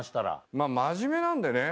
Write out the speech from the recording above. まぁ真面目なんでね。